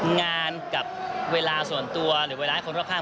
งานกับเวลาส่วนตัวหรือเวลาให้คนรอบข้าง